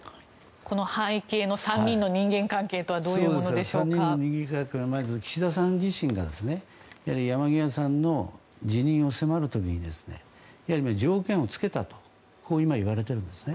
この背景の３人の人間関係とは３人の人間関係はまず岸田さん自身がやはり山際さんの辞任を迫る時にやはり条件を付けたといわれているわけです。